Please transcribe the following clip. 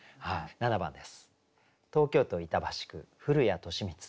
７番です。